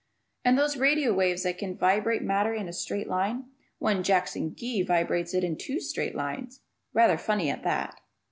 And those radio waves that can vibrate matter in a straight line! One Jackson Gee vibrates it in two straight lines. (Rather funny at that.)